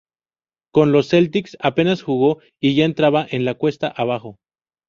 Con los Celtics apenas jugó y ya entraba en la cuesta abajo.